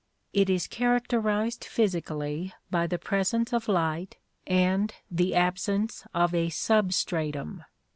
It is characterized physically by the presence of lighc and the absence of a substratum.